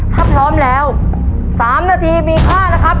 ถ้าพร้อมแล้ว๓นาทีมีค่านะครับ